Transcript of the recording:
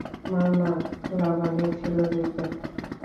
মামা লাবানের ছিল দুই কন্যা।